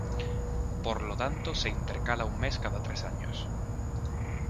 Por lo tanto se intercala un mes cada tres años.